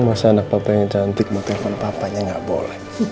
masa anak papa yang cantik mau telepon papanya nggak boleh